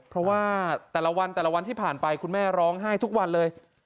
เพราะว่าแต่ละวันแต่ละวันที่ผ่านไปคุณแม่ร้องไห้ทุกวันเลย